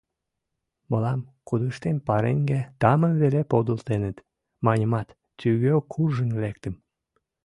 — Мылам кудыштем пареҥге тамым веле подылтеныт, — маньымат, тӱгӧ куржын лектым.